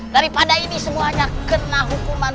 daripada ini semuanya kena hukuman